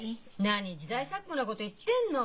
何時代錯誤なこと言ってんの。